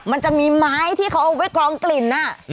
มันจะมีไม้ที่เขาเอาไว้กองกลิ่น